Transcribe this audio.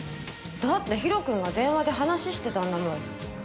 だってヒロ君が電話で話ししてたんだもん。